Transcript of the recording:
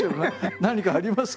何かありますか？